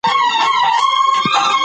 که ټیپ وي نو نقشه نه راویځیږي.